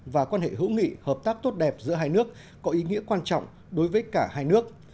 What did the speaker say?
và quan hệ hữu nghị hợp tác tốt đẹp giữa hai nước có ý nghĩa quan trọng đối với cả hai nước